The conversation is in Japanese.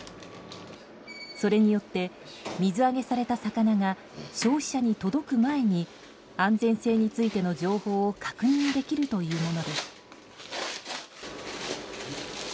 それによって水揚げされた魚が消費者に届く前に安全性についての情報を確認できるというものです。